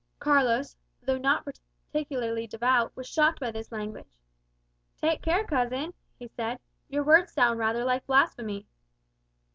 Carlos, though not particularly devout, was shocked by this language. "Take care, cousin," he said; "your words sound rather like blasphemy."